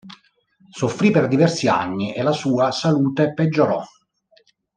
Soffrì per diversi anni e la sua salute peggiorò.